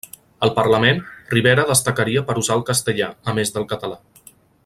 Al Parlament, Rivera destacaria per usar el castellà, a més del català.